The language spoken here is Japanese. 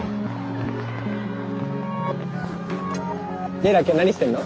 れいら今日何してんの？